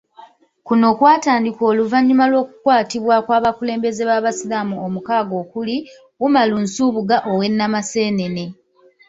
Kuno kwatandika oluvanyuma lw'okukwatibwa kw'abakulembeze b'abasiraamu omukaaga okuli, Umaru Nsubuga ow'e Namaseenene.